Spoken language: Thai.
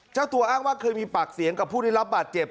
เจ้าตัวอ้างว่าเคยมีปากเสียงกับผู้ได้รับบาดเจ็บ